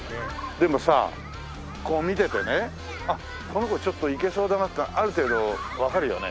でもさこう見ててね「あっこの子ちょっといけそうだな」っていうのはある程度わかるよね。